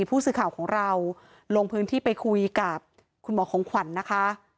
ผู้สื่อข่าวของเราลงพื้นที่ไปคุยกับคุณหมอของขวัญนะคะ